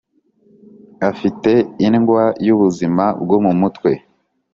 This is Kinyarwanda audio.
Afite indwa y’ubuzima bwo mutwe